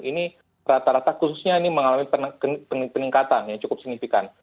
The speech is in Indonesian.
ini rata rata khususnya ini mengalami peningkatan yang cukup signifikan